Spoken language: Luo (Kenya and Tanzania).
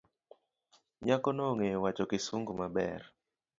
Nyakono ongeyo wacho kisungu maber.